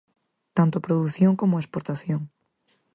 Tanto á produción como á exportación.